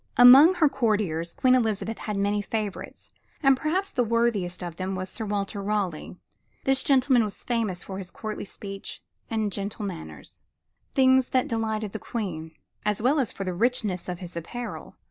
Among her courtiers Queen Elizabeth had many favorites and perhaps the worthiest of them was Sir Walter Raleigh. This gentleman was famous for his courtly speech and gentle manners things that delighted the Queen as well as for the richness of his apparel.